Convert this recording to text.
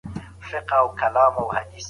ټول خلګ بايد د قانون په وړاندې برابر وي.